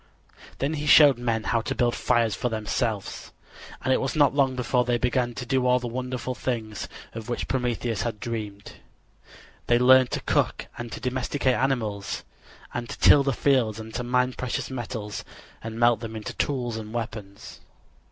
Then he showed men how to build fires for themselves, and it was not long before they began to do all the wonderful things of which Prometheus had dreamed. They learned to cook and to domesticate animals and to till the fields and to mine precious metals and melt them into tools and weapons.